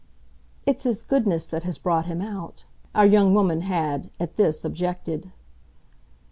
"It's his goodness that has brought him out," our young woman had, at this, objected.